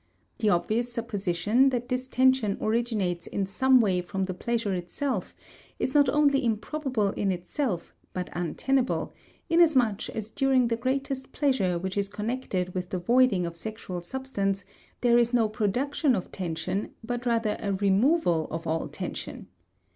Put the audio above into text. The obvious supposition that this tension originates in some way from the pleasure itself is not only improbable in itself but untenable, inasmuch as during the greatest pleasure which is connected with the voiding of sexual substance there is no production of tension but rather a removal of all tension.